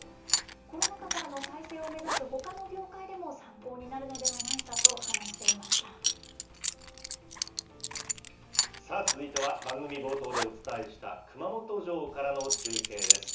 コロナ禍からの再生を目指すほかの業界でも参考になるのではない続いては、番組冒頭でお伝えした熊本城からの中継です。